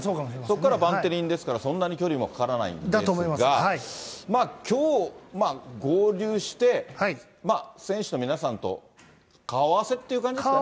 そこからバンテリンですから、そんなに距離もかからないんですが、きょう、合流して、選手の皆さんと顔合わせって感じですね。